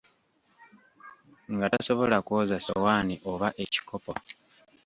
Nga tasobola kwoza ssowaani oba ekikopo.